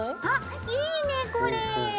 あいいねぇこれ。